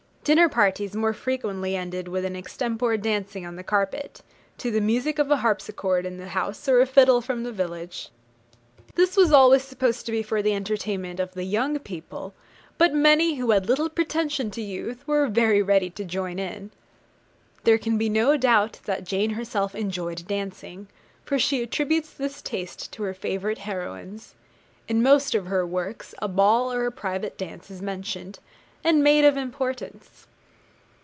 Dinner parties more frequently ended with an extempore dance on the carpet, to the music of a harpsichord in the house, or a fiddle from the village. This was always supposed to be for the entertainment of the young people, but many, who had little pretension to youth, were very ready to join in it. There can be no doubt that Jane herself enjoyed dancing, for she attributes this taste to her favourite heroines; in most of her works, a ball or a private dance is mentioned, and made of importance.